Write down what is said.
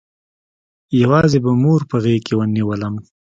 يوازې به مور په غېږ کښې نېولم.